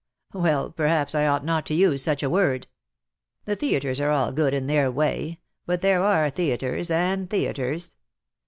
" Well, perhaps I ought not to use such a word. The theatres are all good in their way — but there are theatres and theatres.